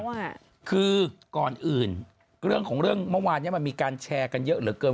คือก่อนอื่นเรื่องของเรื่องเมื่อวานเนี้ยมันมีการแชร์กันเยอะเหลือเกิน